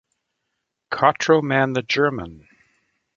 "Kotroman the German".